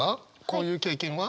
こういう経験は？